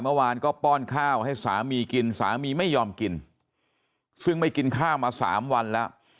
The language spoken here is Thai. เมื่อวานก็ป้อนข้าวให้สามีกินสามีไม่ยอมกินซึ่งไม่กินข้าวมาสามวันแล้ว